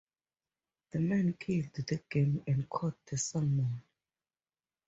The men killed the game and caught the salmon.